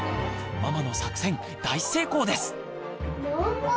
ママの作戦大成功です！